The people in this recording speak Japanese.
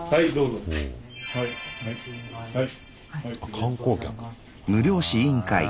・観光客。へ！